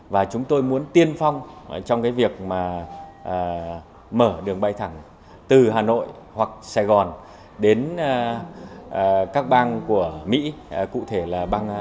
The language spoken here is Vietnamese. và chúng tôi muốn tiên phong trong cái việc mà mở đường bay thẳng từ hà nội hoặc sài gòn đến các bang của mỹ cụ thể là bang